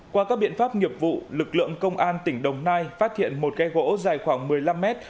qua các biện pháp nghiệp vụ lực lượng công an tỉnh đồng nai phát hiện một ghe gỗ dài khoảng một mươi năm mét